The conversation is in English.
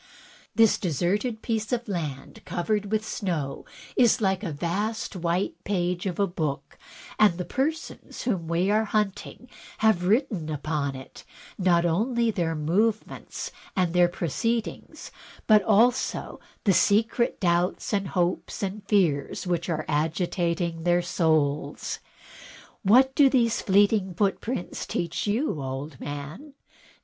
This deserted piece of land covered with snow is like a vast white page of a book, and the persons whom we are hunting have written upon it, not only their movements and their proceed ings, but also the secret doubts, hopes, and fears which are agitating their souls. What do these fleeting footprints teach you, old man?